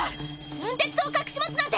寸鉄を隠し持つなんて。